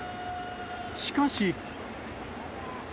しかし。